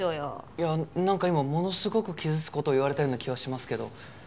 いやなんか今ものすごく傷つく事を言われたような気はしますけど。